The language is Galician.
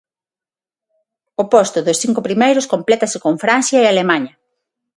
O posto dos cinco primeiros complétase con Francia e Alemaña.